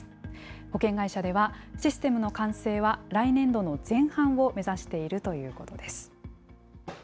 保険会社では、システムの完成は来年度の前半を目指しているということです。